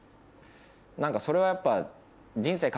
何かそれはやっぱ。